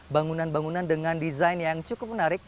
bangunan bangunan dengan desain yang cukup menarik